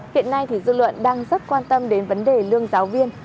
hiện nay thì dư luận đang rất quan tâm đến vấn đề lương giáo viên